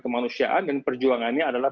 kemanusiaan dan perjuangannya adalah